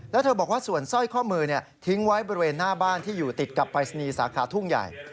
แล้วเธอบอกว่าส่วนสร้อยข้อมือทิ้งไว้บริเวณหน้าบ้านที่อยู่ติดกับปรายศนีย์สาขาทุ่งใหญ่